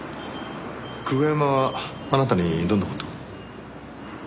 久我山はあなたにどんな事を？